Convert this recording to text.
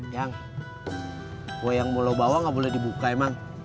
yang kue yang bolo bawah gak boleh dibuka emang